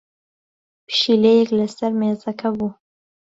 پشیلەیەک لەسەر مێزەکە بوو.